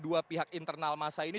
dua pihak internal masa ini